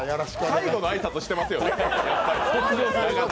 最後の挨拶してますよ。